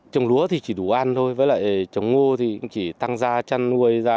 trồng lúa thì chỉ đủ ăn thôi với lại trồng ngô thì chỉ tăng ra chăn nuôi ra